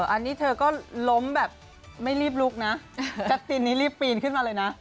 อันนี้เธอก็ล้มแบบไม่รีบลุกนะแจ๊กซีนนี้รีบปีนขึ้นมาเลยนะ